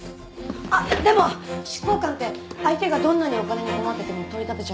あっでも執行官って相手がどんなにお金に困ってても取り立てちゃうわけですか？